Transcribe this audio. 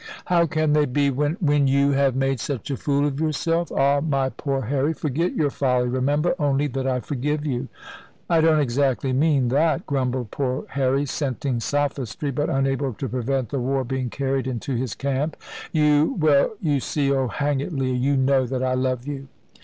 "How can they be, when ?" "When you have made such a fool of yourself? Ah, my poor Harry, forget your folly. Remember only that I forgive you." "I don't exactly mean that," grumbled poor Harry, scenting sophistry, but unable to prevent the war being carried into his camp. "You well you see Oh, hang it, Leah, you know that I love you."